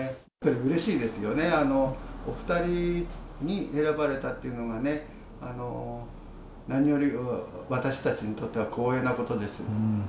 うれしいですよね、お２人に選ばれたというのがね、何より、私たちにとっては光栄なことです。